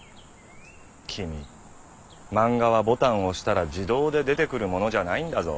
君漫画はボタンを押したら自動で出てくるものじゃないんだぞ。